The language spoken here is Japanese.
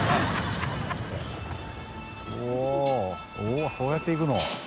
おぉそうやっていくの？